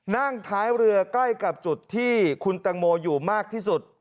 นั่งท้ายเรือใกล้กับจุดที่คุณตังโมอยู่มากที่สุด